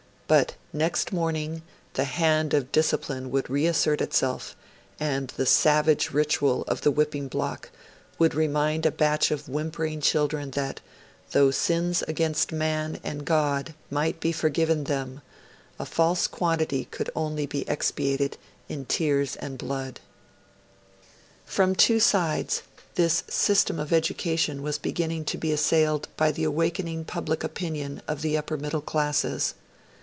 But next morning the hand of discipline would reassert itself; and the savage ritual of the whipping block would remind a batch of whimpering children that, though sins against man and God might be forgiven them, a false quantity could only be expiated in tears and blood. From two sides this system of education was beginning to be assailed by the awakening public opinion of the upper middle classes.